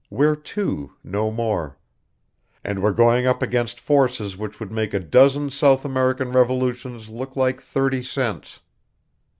We're two, no more. And we're going up against forces which would make a dozen South American revolutions look like thirty cents.